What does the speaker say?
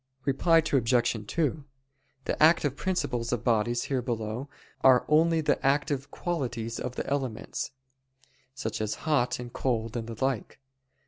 Reply Obj. 2: The active principles of bodies here below are only the active qualities of the elements, such as hot and cold and the like.